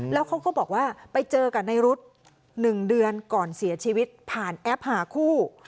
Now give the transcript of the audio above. แล้วเขาก็บอกว่าไปเจอกับในรุ๊ด๑เดือนก่อนเสียชีวิตผ่านแอปหาคู่